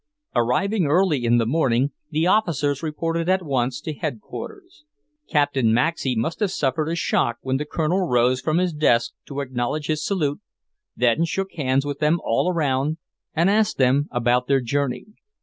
Arriving early in the morning, the officers reported at once to Headquarters. Captain Maxey must have suffered a shock when the Colonel rose from his desk to acknowledge his salute, then shook hands with them all around and asked them about their journey.